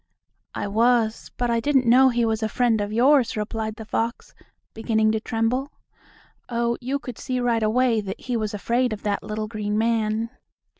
"I was, but I didn't know he was a friend of yours," replied the fox, beginning to tremble. Oh, you could see right away that he was afraid of that little green man.